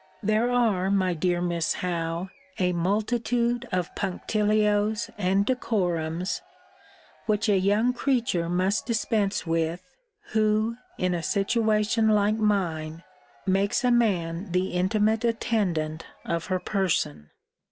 There are, my dear Miss Howe, a multitude of punctilios and decorums, which a young creature must dispense with, who, in a situation like mine, makes a man the intimate attendant of her person.